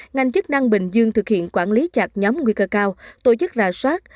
ngành chức năng bình dương thực hiện quản lý chặt nhóm nguy cơ cao tổ chức rà soát